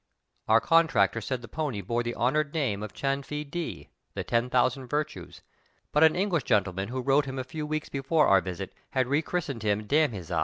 Our contractor said the pony bore the honored name of Chan Fin Dee (the ten thousand virtues), but an English gentleman who rode him a few weeks before our visit had rechristened him " Dam iz ize."